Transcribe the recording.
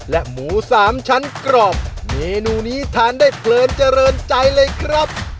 และหมูสามชั้นกรอบเมนูนี้ทานได้เพลินเจริญใจเลยครับ